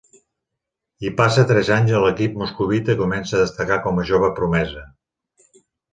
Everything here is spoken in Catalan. Hi passa tres anys a l'equip moscovita i comença a destacar com una jove promesa.